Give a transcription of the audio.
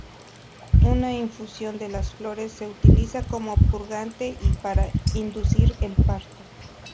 Una infusión de las flores se utiliza como purgante y para inducir el parto.